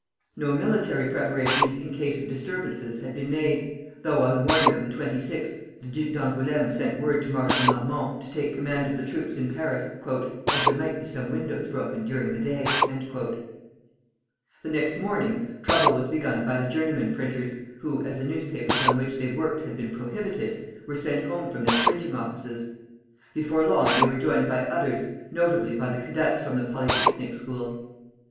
No military preparations in case of disturbances had been made, though on the morning of the 26th the Duc d'Angoulême sent word to Marshal Marmont to take command of the troops in Paris, "as there might be some windows broken during the day." The next morning trouble was begun by the journeymen printers, who, as the newspapers on which they worked had been prohibited, were sent home from their printing offices. Before long they were joined by others, notably by the cadets from the Polytechnic School.